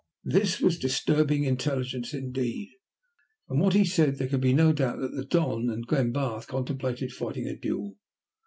This was disturbing intelligence indeed. From what he said there could be no doubt that the Don and Glenbarth contemplated fighting a duel.